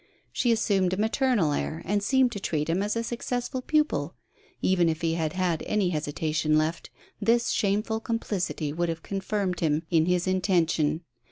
She assumed a maternal air, and seemed to treat him as a successful pupil. Even if he had had any hesitation left, this shameful complicity would have confirmed him in his intention.